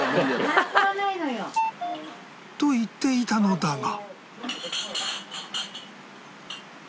と言っていたのだが